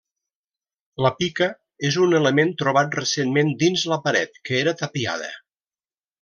La pica és un element trobat recentment dins la paret, que era tapiada.